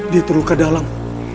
dia terluka dalam